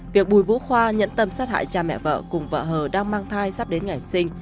việc bùi vũ khoa nhận tâm sát hại cha mẹ vợ cùng vợ hờ đang mang thai sắp đến ngày sinh